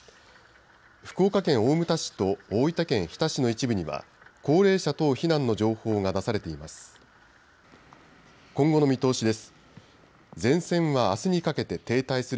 福岡県大牟田市と大分県日田市の一部には高齢者等避難の情報が出されています。